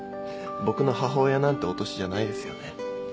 僕の母親なんてお年じゃないですよね。